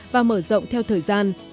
và mở rộng theo thời gian